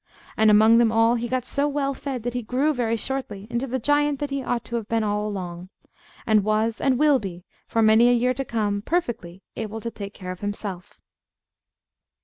And among them all he got so well fed that he grew very shortly into the giant that he ought to have been all along; and was, and will be for many a year to come, perfectly able to take care of himself.